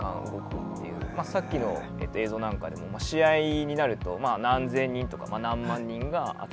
さっきの映像なんかでも試合になると何千人とか何万人が集まってくる。